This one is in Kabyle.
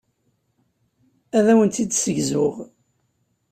Ad awent-tt-id-ssegzuɣ.